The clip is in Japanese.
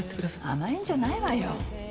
甘えんじゃないわよ